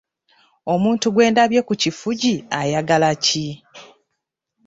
Omuntu gwe ndabye ku kifugi ayagala ki?